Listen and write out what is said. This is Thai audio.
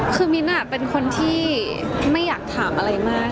คือมิ้นเป็นคนที่ไม่อยากถามอะไรมาก